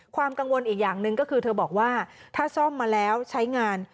ความกังวลอีกอย่างหนึ่งก็คือเธอบอกว่าถ้าซ่อมมาแล้วใช้งาน